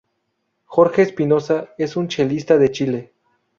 Jorge Espinoza es un chelista de Chile.